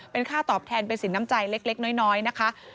เป็นค่าตอบแทนเป็นสินน้ำใจเล็กน้อยนะคะ